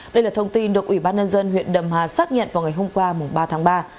đây là thông tin được ủy ban nhân dân huyện đầm hà xác nhận vào ngày hôm qua ba tháng ba